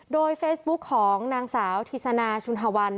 โดยเฟซบุ๊คของนางสาวธิสนาชุนฮวัน